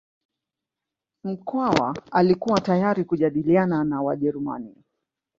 Mkwawa alikuwa tayari kujadiliana na Wajerumani